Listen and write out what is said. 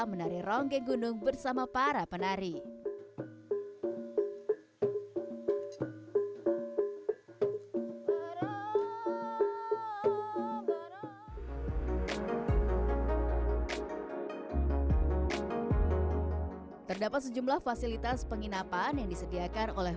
menari rongge gunung bersama para penari terdapat sejumlah fasilitas penginapan yang disediakan oleh